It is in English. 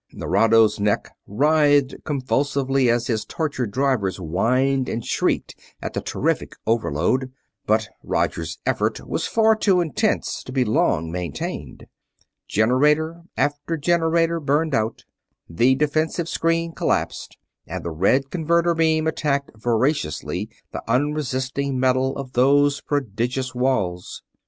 Nerado's neck writhed convulsively as his tortured drivers whined and shrieked at the terrific overload; but Roger's effort was far too intense to be long maintained. Generator after generator burned out, the defensive screen collapsed, and the red converter beam attacked voraciously the unresisting metal of those prodigious walls.